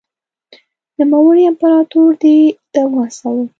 نوموړي امپراتور دې ته وهڅاوه.